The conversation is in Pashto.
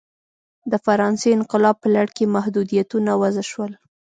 د فرانسې انقلاب په لړ کې محدودیتونه وضع شول.